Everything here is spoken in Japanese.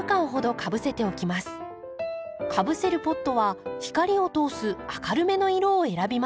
かぶせるポットは光を通す明るめの色を選びましょう。